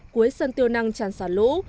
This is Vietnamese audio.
cuối sân tiêu năng tràn xả lũ